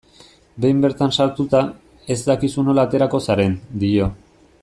Behin bertan sartuta, ez dakizu nola aterako zaren, dio.